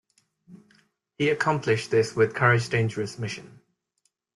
He accomplished this with courage dangerous mission.